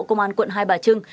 công an quận hai bà trưng